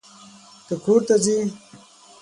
ته کور ته ځې.